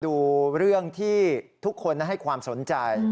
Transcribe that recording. ดูเรื่องที่ทุกคนให้ความสนใจ